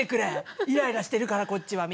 イライラしてるからこっちはみたいなもう。